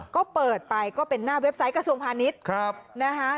ก็เปิดไปก็เป็นหน้าเว็บไซต์กระทรวงพาณิชย์นะคะ